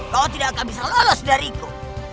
kau tidak akan bisa lolos dariku